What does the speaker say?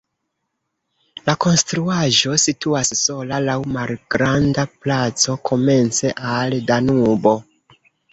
La konstruaĵo situas sola laŭ malgranda placo komence al Danubo.